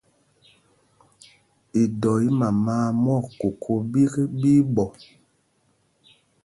Idɔ í mama a mwɔk koko ɓîk, ɓí í ɓɔ.